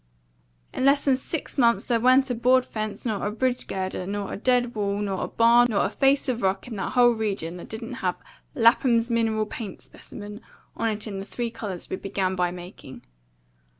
"In less'n six months there wa'n't a board fence, nor a bridge girder, nor a dead wall, nor a barn, nor a face of rock in that whole region that didn't have 'Lapham's Mineral Paint Specimen' on it in the three colours we begun by making."